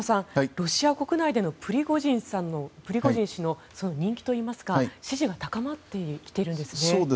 ロシア国内でのプリゴジン氏の人気といいますか支持が高まってきているんですね。